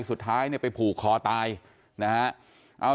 สุดท้ายเนี่ยไปผูกคอตายนะฮะ